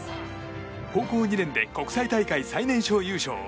高校２年で国際大会最年少優勝。